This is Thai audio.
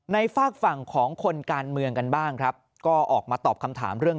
ฝากฝั่งของคนการเมืองกันบ้างครับก็ออกมาตอบคำถามเรื่อง